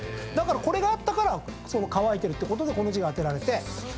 これがあったから乾いてるってことでこの字が当てられて。